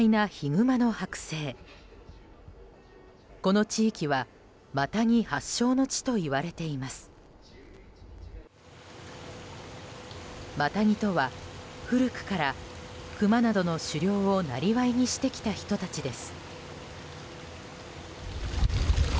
マタギとは、古くからクマなどの狩猟を生業にしてきた人たちです。